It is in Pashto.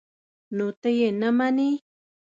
_نو ته يې نه منې؟